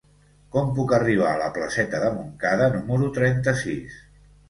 Com puc arribar a la placeta de Montcada número trenta-sis?